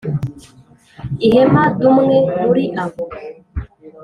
ihema d Umwe muri abo